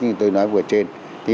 như tôi nói vừa trên